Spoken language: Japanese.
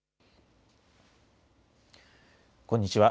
こんにちは。